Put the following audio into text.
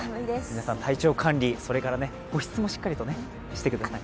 皆さん、体調管理、保湿もしっかりしてください。